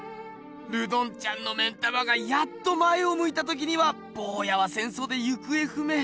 ルドンちゃんの目ん玉がやっと前をむいた時にはぼうやは戦争で行方不明。